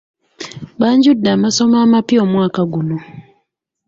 Banjudde amasomo amapya omwaka guno.